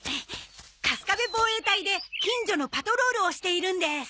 カスカベ防衛隊で近所のパトロールをしているんです。